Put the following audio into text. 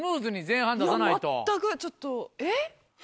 いや全くちょっとえっ？